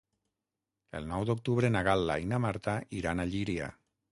El nou d'octubre na Gal·la i na Marta iran a Llíria.